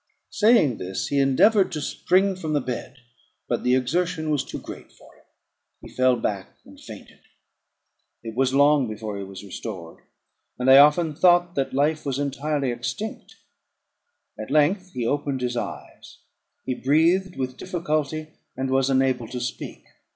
Saying this, he endeavoured to spring from the bed, but the exertion was too great for him; he fell back, and fainted. It was long before he was restored; and I often thought that life was entirely extinct. At length he opened his eyes; he breathed with difficulty, and was unable to speak.